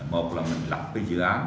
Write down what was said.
một là mình lập cái dự án